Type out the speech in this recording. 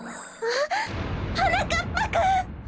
あっはなかっぱくん！